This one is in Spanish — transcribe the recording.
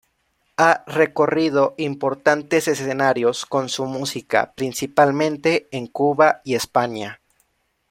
Ha recorrido importantes escenarios con su música, principalmente en Cuba y España.